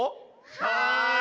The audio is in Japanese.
はい。